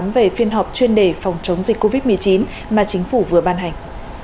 về phiên họp chuyên đề phòng chống dịch covid một mươi chín mà chính phủ vừa ban hành